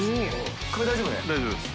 大丈夫です。